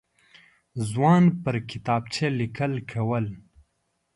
ځوان پر کتابچه لیکل کول.